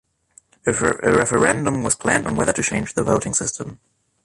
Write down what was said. A referendum was planned on whether to change the voting system.